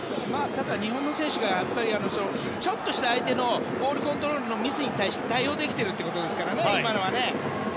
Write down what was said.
ただ、日本もちょっとした向こうの今のはボールコントロールのミスに対して対応できているということですからね。